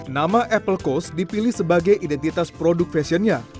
nama apple coast dipilih sebagai identitas produk fashionnya